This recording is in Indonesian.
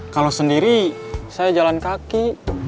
kalau sendiri saya jalan kaki